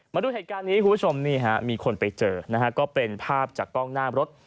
มาดูเหตุการณ์นี้คุณผู้ชมนี่ฮะมีคนไปเจอนะฮะก็เป็นภาพจากกล้องหน้ารถ